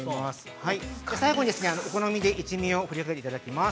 最後にですね、お好みで一味を振りかけていただきます。